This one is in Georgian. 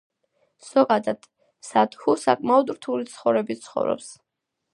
ზოგადად, სადჰუ საკმაოდ რთული ცხოვრებით ცხოვრობს.